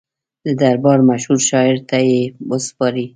د دربار مشهور شاعر ته یې وسپاري.